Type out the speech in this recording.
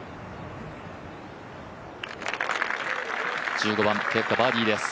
１５番ケプカ、バーディーです。